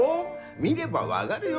見れば分がるよ